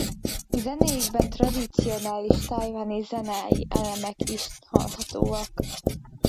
Zenéjükben tradicionális tajvani zenei elemek is hallhatóak.